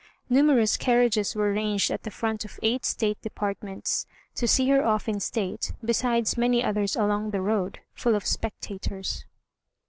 Numerous carriages were ranged at the front of eight State departments to see her off in state, besides many others along the road, full of spectators.